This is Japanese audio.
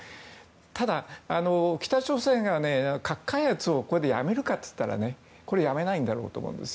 ただ、これで北朝鮮が核開発をやめるかといったらやめないんだろうと思うんです。